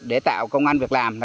để tạo công an việc làm